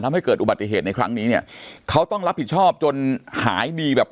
ทำให้เกิดอุบัติเหตุในครั้งนี้เนี่ยเขาต้องรับผิดชอบจนหายดีแบบ